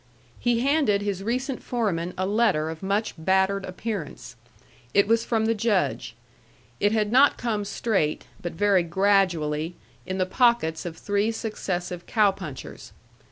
He handed his recent foreman a letter of much battered appearance. It was from the Judge. It had not come straight, but very gradually, in the pockets of three successive cow punchers.